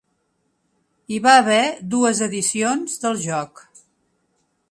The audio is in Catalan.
Hi va haver dues edicions del joc.